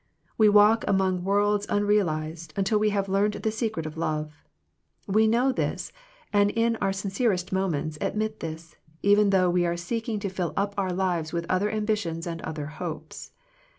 We walk among worlds un realized, until we have learned the secret of love. We know this, and in our sin cerest moments admit this, even though we are seeking to fill up our lives with other ambitions and other hopes.